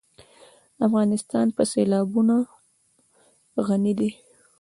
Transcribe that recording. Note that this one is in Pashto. افغانستان په سیلابونه غني دی.